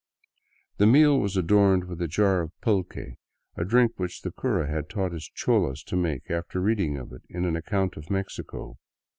The meal was adorned with a jar of pulque, a drink which the cura had taught his cholas to make after reading of it in an account of Mexico.